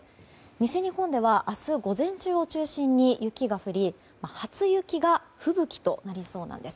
西日本では明日午前中を中心に雪が降り初雪が吹雪となりそうなんです。